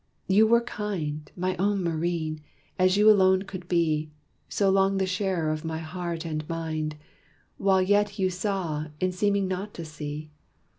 You were kind, My own Maurine! as you alone could be, So long the sharer of my heart and mind, While yet you saw, in seeming not to see.